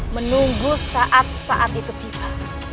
menunggu saat saat itu tiba